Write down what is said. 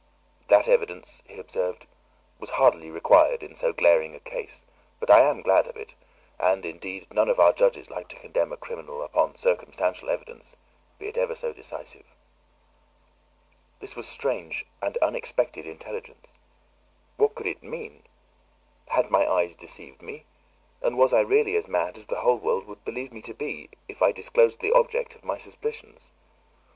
"That evidence," he observed, "was hardly required in so glaring a case, but I am glad of it, and, indeed, none of our judges like to condemn a criminal upon circumstantial evidence, be it ever so decisive." This was strange and unexpected intelligence; what could it mean? Had my eyes deceived me? And was I really as mad as the whole world would believe me to be if I disclosed the object of my suspicions?